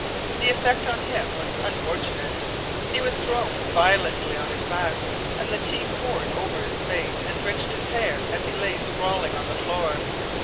The effect on him was unfortunate. He was thrown violently on his back, and the tea poured over his face and drenched his hair as he lay sprawling on the floor.